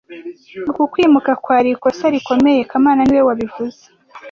Uku kwimuka kwari ikosa rikomeye kamana niwe wabivuze